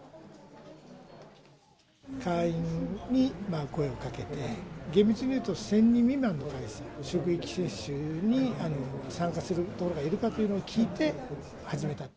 会員に声をかけて、厳密にいうと１０００人未満の会社に職域接種に参加するところがいるかということを聞いて始めた。